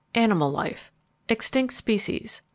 ANIMAL LIFE _Extinct Species.